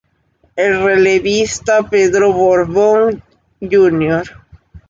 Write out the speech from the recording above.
El relevista Pedro Borbón, Jr.